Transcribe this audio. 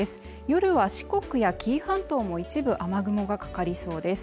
夜は四国や紀伊半島も一部雨雲がかかりそうです